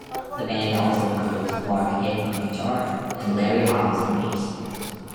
The band also includes Mark Hitt on guitar and Larry Hobbs on bass.